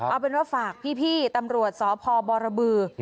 เอาเป็นว่าฝากพี่ตำรวจสพบรบือ